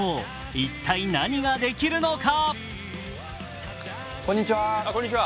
一体何ができるのか？